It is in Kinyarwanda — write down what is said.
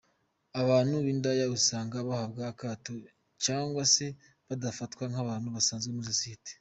Abantu b’indaya usanga bahabwa akato cyangwa se badafatwa nk’abantu basanzwe muri sosiyete.